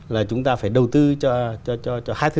là chúng ta phải đầu tư cho